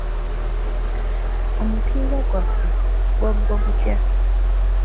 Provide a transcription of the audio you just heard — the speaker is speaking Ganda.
Omupiira gwaffe gwaggwa gutya?